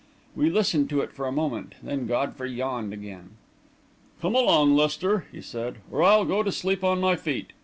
We listened to it for a moment, then Godfrey yawned again. "Come along, Lester," he said, "or I'll go to sleep on my feet.